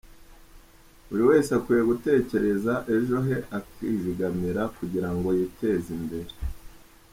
Buri wese akwiye gutekereza ejo he akizigamira kugira ngo yiteze imbere.